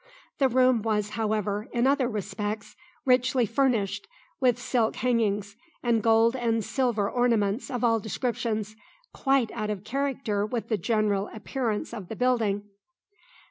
The room was, however, in other respects richly furnished, with silk hangings, and gold and silver ornaments of all descriptions, quite out of character with the general appearance of the building.